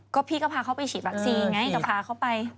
ก็พี่ก็พาเขาไปฉีดวัคซีนไงก็พาเขาไป